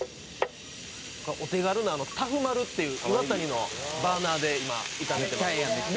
「お手軽なタフまるっていうイワタニのバーナーで今炒めてます」